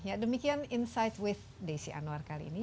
ya demikian insight with desi anwar kali ini